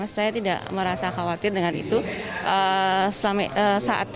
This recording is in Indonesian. saya tidak merasa khawatir dengan itu